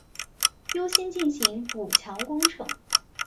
优先进行补强工程